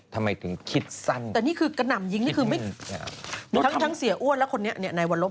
ทำไมต้องคิดสั้นแต่นี่คือกระหน่ำยิงทั้งเสียอ้วนและคนนี้ในวันลบ